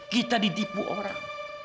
kita ditipu orang